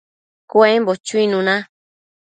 cuembo chuinuna